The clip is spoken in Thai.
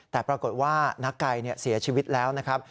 แต่ปรากฏว่านักไก่เสียชีวิตแล้วนะครับ